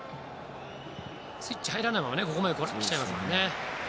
スイッチが入らないままあそこまで来ちゃいますもんね。